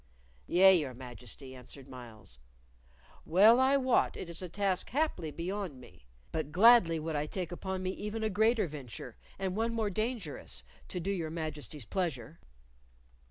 "Yea, your Majesty," answered Myles, "well I wot it is a task haply beyond me. But gladly would I take upon me even a greater venture, and one more dangerous, to do your Majesty's pleasure!"